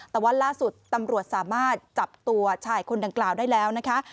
แต่ว่าล่าสุดตำรวจสามารถจับตัวชายคนดังกล่าวได้แล้วนะคะ